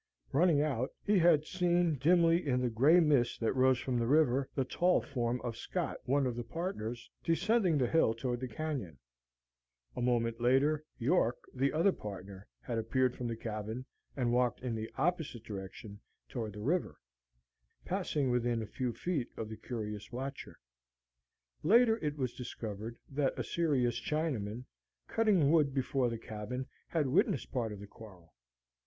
Running out, he had seen, dimly, in the gray mist that rose from the river, the tall form of Scott, one of the partners, descending the hill toward the canyon; a moment later, York, the other partner, had appeared from the cabin, and walked in an opposite direction toward the river, passing within a few feet of the curious watcher. Later it was discovered that a serious Chinaman, cutting wood before the cabin, had witnessed part of the quarrel.